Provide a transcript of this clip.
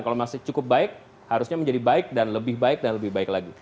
kalau masih cukup baik harusnya menjadi baik dan lebih baik dan lebih baik lagi